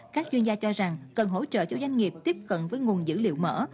các chuyên gia cho rằng cần hỗ trợ cho doanh nghiệp tiếp cận với nguồn dữ liệu mở